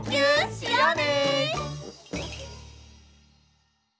しようね！